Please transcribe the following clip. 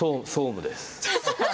総務です。